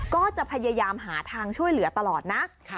ก็จะพยายามหาทางช่วยเหลือตลอดนะ